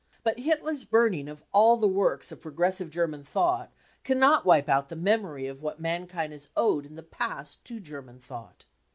But Hitler's burning of all the works of progressive German thought cannot wipe out the memory of what mankind has owed in the past to German thought.